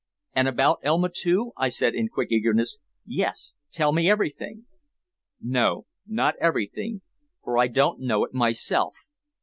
"And about Elma, too?" I said in quick eagerness. "Yes, tell me everything." "No, not everything, for I don't know it myself.